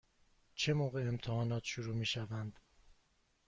چه موقع امتحانات شروع می شوند؟